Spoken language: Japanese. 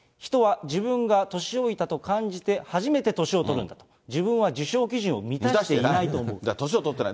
人は自分が年老いたと感じて初めて年を取るんだと、自分は受賞基年を取ってない。